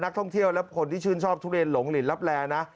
นักท่องเที่ยวและคนที่ชื่นชอบทุเรียนหลงหลินลับแลนะ